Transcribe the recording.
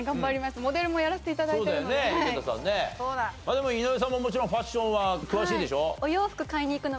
でも井上さんももちろんファッションは詳しいでしょ？